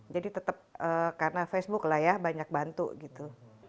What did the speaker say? jadi tetap karena facebook lah ya banyak bantu gitu